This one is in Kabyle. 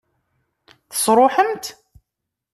Tesṛuḥem-t?